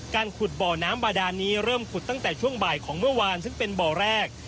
ขุดบ่อน้ำบาดานนี้เริ่มขุดตั้งแต่ช่วงบ่ายของเมื่อวานซึ่งเป็นบ่อแรก